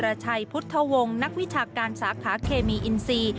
ราชัยพุทธวงศ์นักวิชาการสาขาเคมีอินซี